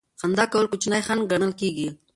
خندا کول کوچنی خنډ ګڼل کیږي.